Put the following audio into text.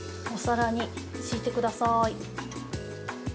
お皿に敷いてください。